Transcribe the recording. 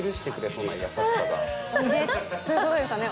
そういう事ですかね？